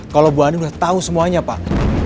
kalau bu ani sudah tahu semuanya pak